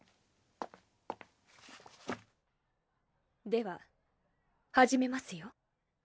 では始めますよ。